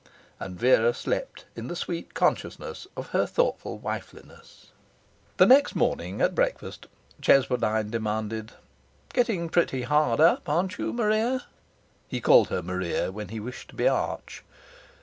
And Vera slept in the sweet consciousness of her thoughtful wifeliness. The next morning, at breakfast, Cheswardine demanded 'Getting pretty hard up, aren't you, Maria?' He called her Maria when he wished to be arch.